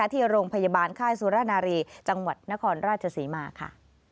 ที่โรงพยาบาลค่ายสุรนารีจังหวัดนครราชศรีมาค่ะ